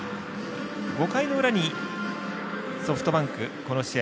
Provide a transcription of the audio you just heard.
５回の裏にソフトバンク、この試合